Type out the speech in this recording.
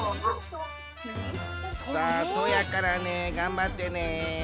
さあ「と」やからねがんばってね。